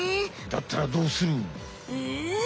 だったらどうする？え？